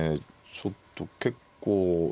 ちょっと結構。